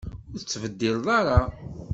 Ur ttebeddileɣ ara.